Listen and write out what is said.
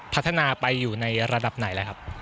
พัฒนาไปอยู่ในระดับไหน